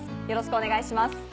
よろしくお願いします。